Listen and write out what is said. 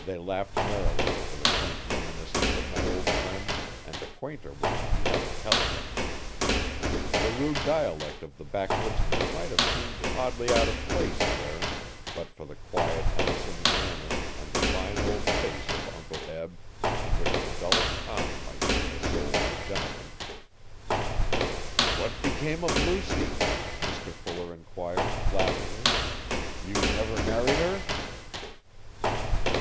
They laughed merrily, over the quaint reminiscence of my old friend and the quainter way he had of telling it. The rude dialect of the backwoodsman might have seemed oddly out of place, there, but for the quiet, unassuming manner and the fine old face of Uncle Eb in which the dullest eye might see the soul of a gentleman. 'What became of Lucy?' Mr Fuller enquired, laughingly. 'You never married her.'